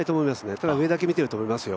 ただ、上だけ見ていると思いますよ